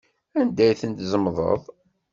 Anda i ten-tzemḍeḍ?